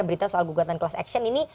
berita soal gugatan kelas aksion ini